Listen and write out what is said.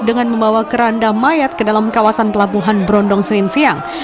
dengan membawa keranda mayat ke dalam kawasan pelabuhan berondong senin siang